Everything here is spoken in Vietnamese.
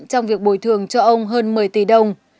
trong việc bồi thường cho ông hơn một mươi tỷ đồng